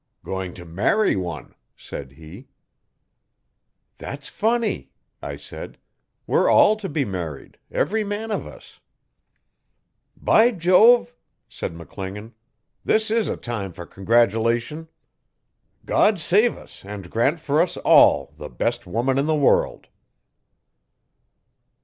'Going to marry one,' said he. 'That's funny,' I said. We're all to be married every man of us. 'By Jove!' said McClingan, 'this is a time for congratulation. God save us and grant for us all the best woman in the world.